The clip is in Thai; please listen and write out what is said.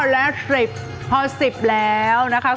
๑๒๓๔๕๖๗๘๙แล้ว๑๐พอ๑๐แล้วนะคะ